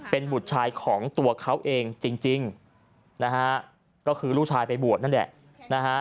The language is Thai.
เป็นบุตรชายของตัวเขาเองจริงนะฮะก็คือลูกชายไปบวชนั่นแหละนะฮะ